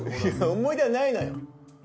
いや思い出はないのよ。